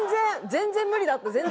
全然無理だった。